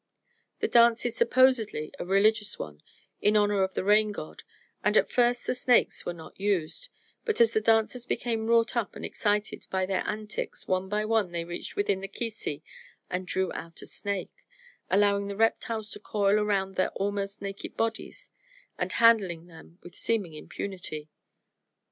The dance is supposedly a religious one, in honor of the Rain God, and at first the snakes were not used, but as the dancers became wrought up and excited by their antics one by one they reached within the kisi and drew out a snake, allowing the reptiles to coil around their almost naked bodies and handling them with seeming impunity.